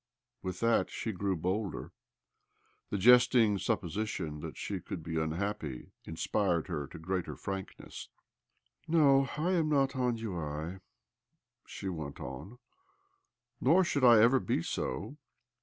With that she grew bolder. The jesting 2 54 OBLOMOV supposition that she could be unhappy in spired her to greater frankness, " No., I am not еппиуёе" she went on ;" nor should I ever be so.